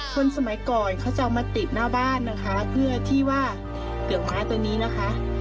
คนสมัยก่อนเขาจะเอามาติดหน้าบ้านนะคะเพื่อที่ว่าเปลือกม้าตัวนี้นะคะ